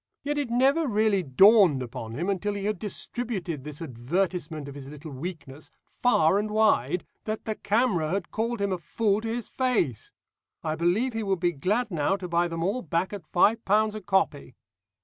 Yet it never really dawned upon him until he had distributed this advertisement of his little weakness far and wide, that the camera had called him a fool to his face. I believe he would be glad now to buy them all back at five pounds a copy.